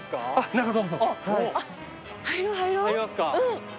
入りますか。